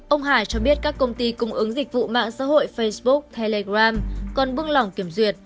ông hải cho biết các công ty cung ứng dịch vụ mạng xã hội facebook telegram còn buông lỏng kiểm duyệt